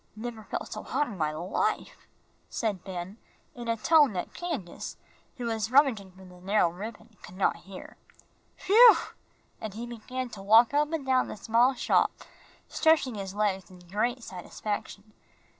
Never felt so hot in my life," said Ben, in such a tone that Candace, who was rummaging for the narrow ribbon, could not hear. "Whew!" and he began to walk up and down the small shop, stretching his legs in great satisfaction.